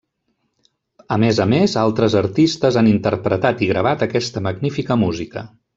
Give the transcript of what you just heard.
A més a més, altres artistes han interpretat i gravat aquesta magnífica música.